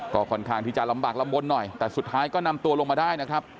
ก็ค่อนข้างที่จะลำบากลำบลหน่อยแต่สุดท้ายก็นำตัวลงมาได้นะครับ